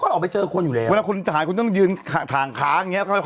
ต้องยืนขอบของขางอย่างเนี้ย